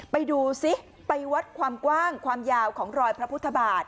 ไปดูซิไปวัดความกว้างความยาวของรอยพระพุทธบาท